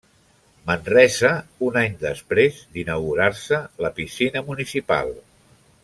Manresa, un any després d'inaugurar-se la piscina municipal.